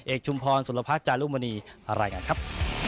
เอกชุมพรสุรพัชย์จารุมณีภรรยากันครับ